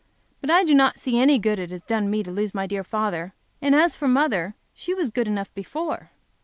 But I do not see any good it has done me to lose my dear father, and as to mother she was good enough before.